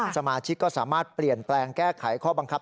สมาชิกก็สามารถเปลี่ยนแปลงแก้ไขข้อบังคับ